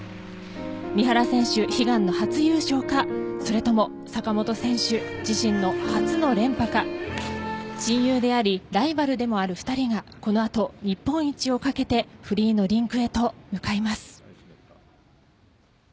三原選手、悲願の初優勝かそれとも坂本選手自身の初の連覇か親友でありライバルでもある２人がこの後、日本一をかけてフリーのリンクへと向かいます。